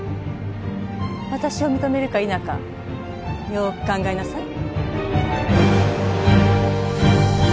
私を認めるか否かよく考えなさい。